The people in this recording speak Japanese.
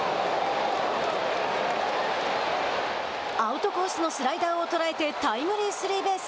アウトコースのスライダーを捉えてタイムリースリーベース。